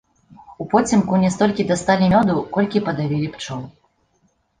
Упоцемку не столькі дасталі мёду, колькі падавілі пчол.